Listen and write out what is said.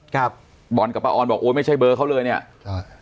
ครับบอลกับป้าออนบอกโอ้ยไม่ใช่เบอร์เขาเลยเนี้ยใช่